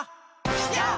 やっ！